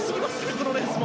このレースも。